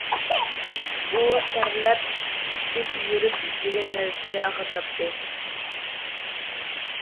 ئۇ تەرلەپ- پىشىپ يۈرۈپ ئىزدىگەن نەرسىسىنى ئاخىرى تاپتى.